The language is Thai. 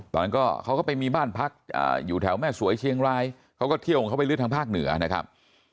ตอนนั้นก็เขาก็ไปมีบ้านพักอยู่แถวแม่สวยเชียงรายเขาก็เที่ยวของเขาไปเรื่อยทางภาคเหนือนะครับ